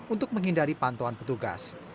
untuk menghindari pantauan petugas